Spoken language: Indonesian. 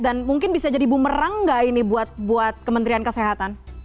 dan mungkin bisa jadi bumerang nggak ini buat kementerian kesehatan